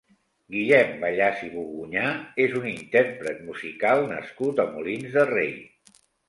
Guillem Ballaz i Bogunyà és un intérpret musical nascut a Molins de Rei.